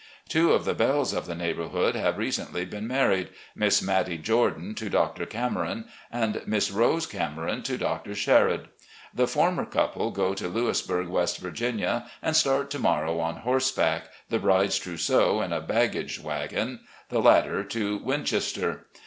Two of the belles of the neighbourhood have recently been married — Miss Mattie Jordan to Dr. Cameron, and Miss Rose Cameron to Dr. Sherod. The former couple go to Louisburg, West Virginia, and start to morrow on horseback, the bride's trousseau in a bag gage wagon ; the latter to Winchester.